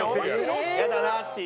イヤだなっていう。